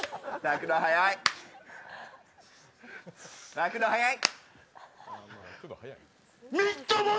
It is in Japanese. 泣くの早い。